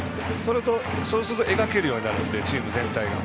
そうすると描けるようになるのでチーム全体が。